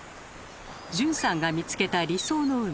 順さんが見つけた理想の海